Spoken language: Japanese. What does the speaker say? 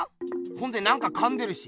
ほんで何かかんでるし。